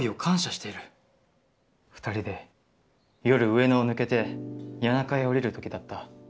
二人で夜上野を抜けて谷中へ下りる時だった。